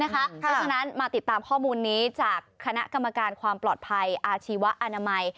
เพราะฉะนั้นมาติดตามข้อมูลนี้จากคณะกรรมการความปลอดภัยอาชีวะอนามัย